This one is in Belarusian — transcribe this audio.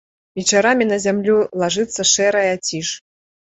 Вечарамі на зямлю лажыцца шэрая ціш.